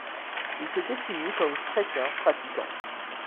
Il se définit comme chrétien pratiquant.